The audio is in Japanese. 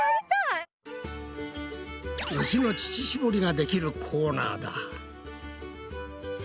牛の乳しぼりができるコーナーだ！